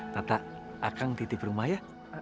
tata kak kang titip rumah ya